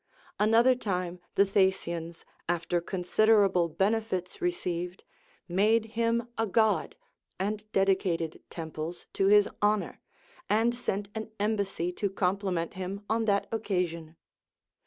Another time the Thasians, after considerable benefits received, made him a God and dedicated temples to his honor, and sent an embassy to compliment him on that occasion.